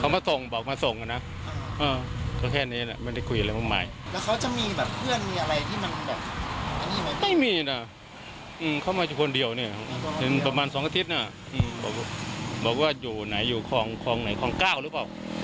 อ๋อมันบริษัทอยู่พร้อมก้าวนะครับ